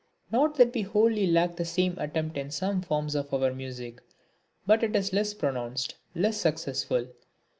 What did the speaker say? Not that we wholly lack the same attempt in some forms of our music; but it is less pronounced, less successful.